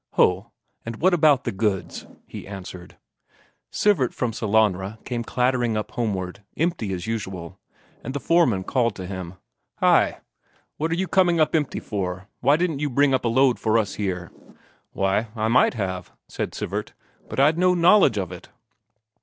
"Ho, and what about the goods?" he answered. Sivert from Sellanraa came clattering up homeward, empty as usual, and the foreman called to him: "Hi, what are you coming up empty for? Why didn't you bring up a load for us here?" "Why, I might have," said Sivert. "But I'd no knowledge of it."